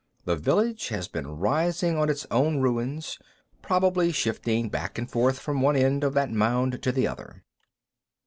The village has been rising on its own ruins, probably shifting back and forth from one end of that mound to the other."